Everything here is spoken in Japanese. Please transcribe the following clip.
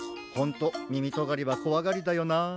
ほんとみみとがりはこわがりだよな。